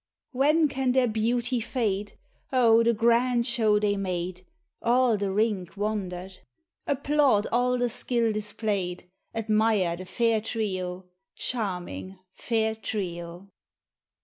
" When can their beauty fade ?" Oh ! the grand show they made, All the rink wonder'd ; Applaud all the skill displayed, Admire the fair trio. Charming fair trio.